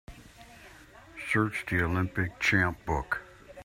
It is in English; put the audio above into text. Search The Olympic Champ book.